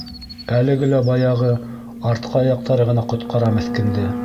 Әлеге лә баяғы артҡы аяҡтары ғына ҡотҡара меҫкенде.